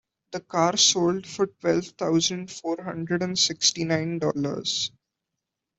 The car sold for twelve thousand four hundred and sixty nine Dollars.